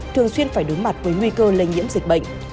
thường xuyên phải đối mặt với nguy cơ lây nhiễm dịch bệnh